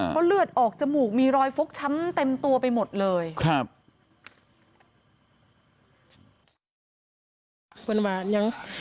เพราะเลือดออกจมูกมีรอยฟกช้ำเต็มตัวไปหมดเลยครับ